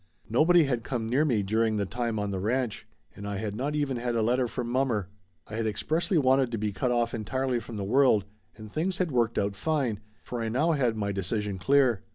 Nobody had come near me during the time on the ranch, and I had not even had a letter from mommer. I had expressly wanted to be cut off entirely from the world, and things had worked out fine, for I now had my decision clear.